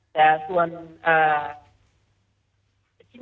แต่ส่วนเอ่อ